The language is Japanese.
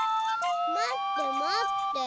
まってまって！